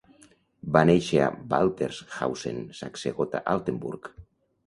Va néixer a Waltershausen, Saxe-Gotha-Altenburg.